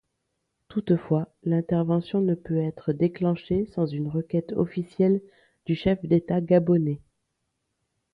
Toutefois, l’intervention ne peut être déclenchée sans une requête officielle du chef d'État gabonais.